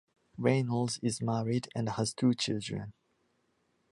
Reynolds is married and has two children.